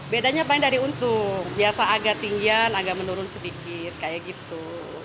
bedanya paling dari untung biasa agak tinggian agak menurun sedikit kayak gitu